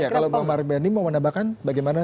kalau mbak mardhani mau menambahkan bagaimana